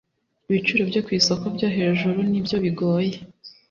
ibiciro byo ku isoko byo hejuru n ibyo bigoye.